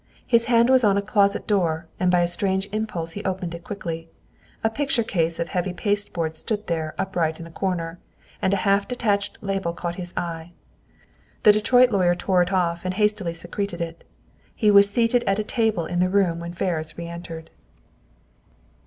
His hand was on a closet door, and by a strange impulse he opened it quickly. A picture case of heavy pasteboard stood there, upright in a corner, and a half detached label caught his eye. The Detroit lawyer tore it off and hastily secreted it. He was seated at a table in the room when Ferris reentered.